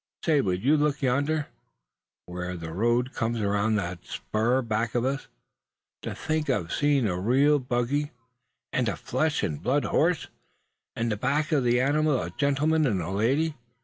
"Say, would you look yonder, where that road comes around the spur back of us; to think of seeing a real buggy and a flesh and blood horse, and back of the animal a gentleman and lady!